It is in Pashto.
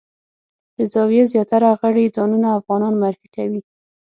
د زاویې زیاتره غړي ځانونه افغانان معرفي کوي.